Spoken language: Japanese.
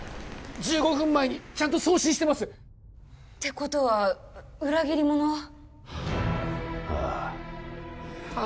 １５分前にちゃんと送信してますてことは裏切り者はああっ！